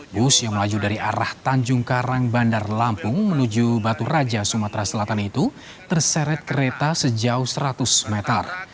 bus yang melaju dari arah tanjung karang bandar lampung menuju batu raja sumatera selatan itu terseret kereta sejauh seratus meter